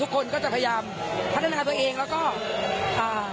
คนก็จะพยายามพัฒนาตัวเองแล้วก็อ่า